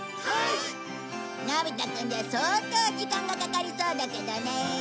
のび太くんじゃ相当時間がかかりそうだけどね。